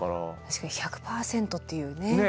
確かに１００パーセントっていうね。